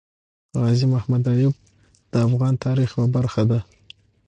غازي محمد ايوب د افغان تاريخ يوه برخه ده